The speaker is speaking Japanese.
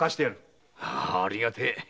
ありがてえ。